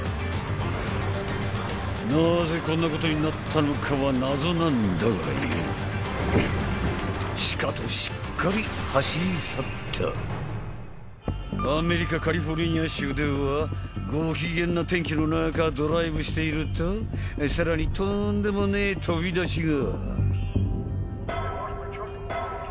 なぜこんなことになったのかは謎なんだがええシカとしっかり走り去ったアメリカ・カリフォルニア州ではご機嫌な天気の中ドライブしているとさらにとんでもねえ飛び出しが！